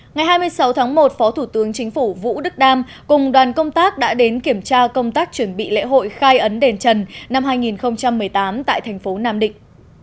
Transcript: ngày hai mươi sáu tháng một phó thủ tướng chính phủ vũ đức đam cùng đoàn công tác đã đến kiểm tra công tác chuẩn bị lễ hội khai ấn đền trần năm hai nghìn một mươi tám tại thành phố nam định